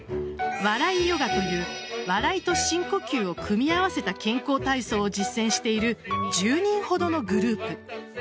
笑いヨガという笑いと深呼吸を組み合わせた健康体操を実践している１０人ほどのグループ。